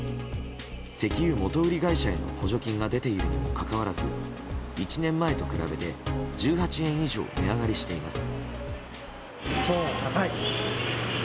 石油元売り会社への補助金が出ているのにもかかわらず１年前と比べて１８円以上値上がりしています。